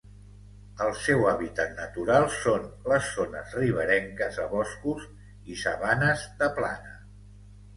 El seu hàbitat natural són les zones riberenques a boscos i sabanes de plana.